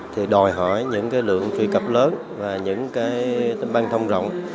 thì đòi hỏi những lượng truy cập lớn và những băng thông rộng